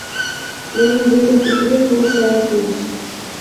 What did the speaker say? Менин жеке пикирим — бул саясий иш.